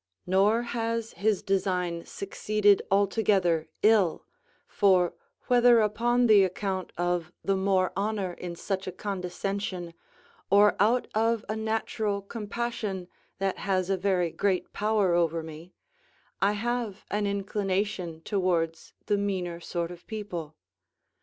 Nor has his design succeeded altogether ill; for, whether upon the account of the more honour in such a condescension, or out of a natural compassion that has a very great power over me, I have an inclination towards the meaner sort of people.